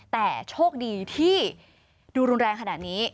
แต่โชคดีที่ดูรุนแรงขนาดนี้